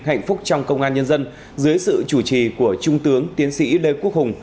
hạnh phúc trong công an nhân dân dưới sự chủ trì của trung tướng tiến sĩ lê quốc hùng